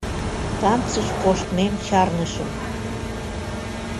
Танцыш коштмем чарнышым.